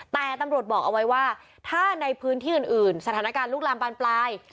แต่ตำรวจบอกเอาไว้ว่าถ้าในพื้นที่อื่นสถานการณ์ลุกลามบานปลาย